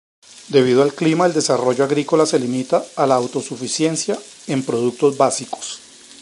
Debido al clima, el desarrollo agrícola se limita a la autosuficiencia en productos básicos.